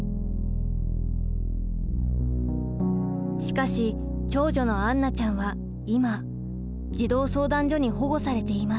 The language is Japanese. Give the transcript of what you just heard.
しかし長女の杏奈ちゃんは今児童相談所に保護されています。